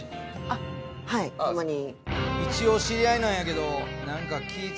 あはいたまに。